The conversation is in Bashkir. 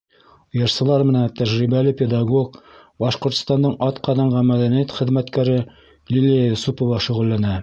Йырсылар менән тәжрибәле педагог, Башҡортостандың атҡаҙанған мәҙәниәт хеҙмәткәре Лилиә Йосопова шөғөлләнә.